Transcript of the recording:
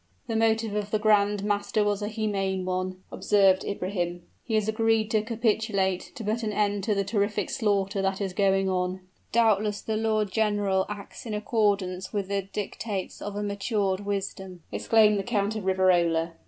"The motive of the grand master was a humane one," observed Ibrahim; "he has agreed to capitulate, to put an end to the terrific slaughter that is going on." "Doubtless the lord general acts in accordance with the dictates of a matured wisdom!" exclaimed the Count of Riverola.